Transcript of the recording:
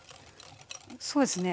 そうですね。